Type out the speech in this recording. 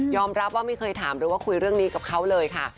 รับว่าไม่เคยถามหรือว่าคุยเรื่องนี้กับเขาเลยค่ะ